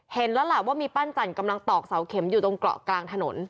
เห็นแล้วล่ะว่ามีปั้นจันทร์กำลังตอกเสาเข็มอยู่ตรงเกาะกลางถนน